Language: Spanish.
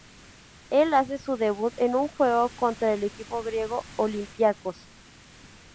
Él hace su debut en un juego contra el equipo griego Olympiakos.